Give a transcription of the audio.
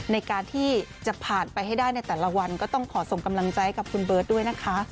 ในการที่จะผ่านไปให้ได้ในแต่ละวันก็ต้องขอส่งกำลังใจกับคุณเบิร์ตด้วยนะคะ